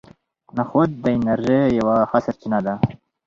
نخود د انرژۍ یوه ښه سرچینه ده.